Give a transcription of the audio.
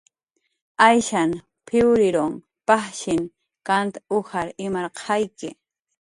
"Ayshan p""iwrirun pajshin kant ujar imarqayki. "